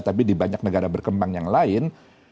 tapi di banyak negara berkembang yang lain